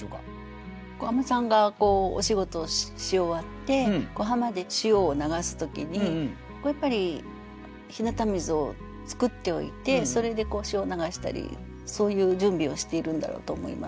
海女さんがお仕事をし終わって浜で塩を流す時にやっぱり日向水を作っておいてそれで塩を流したりそういう準備をしているんだろうと思います。